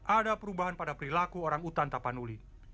ada perubahan pada perilaku orang utan tapanuli